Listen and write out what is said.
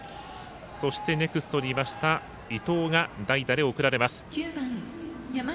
そして、ネクストにいました伊藤が代打で送られます。